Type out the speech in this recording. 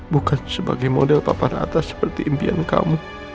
bukan model papa atas seperti impian kamu